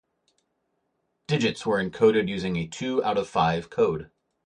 Digits were encoded using a two-out-of-five code.